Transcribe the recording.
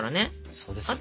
そうですよね。